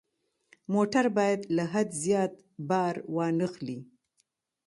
موټر باید له حد زیات بار وانه خلي.